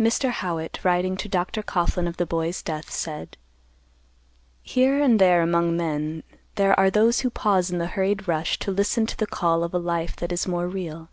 Mr. Howitt, writing to Dr. Coughlan of the boy's death, said: "Here and there among men, there are those who pause in the hurried rush to listen to the call of a life that is more real.